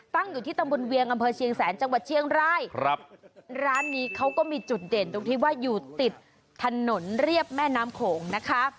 ตั้งอยู่ที่ตำบลเวียงอำเภอเชียงแสนจังหวัดเชียงรายครับร้านนี้เขาก็มีจุดเด่นตรงที่ว่าอยู่ติดถนนเรียบแม่น้ำโขงนะคะ